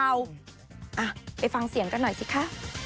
ไปฟังเสียงกันหน่อยสิคะ